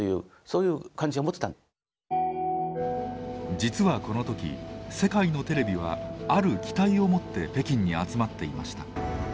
実はこの時世界のテレビはある期待を持って北京に集まっていました。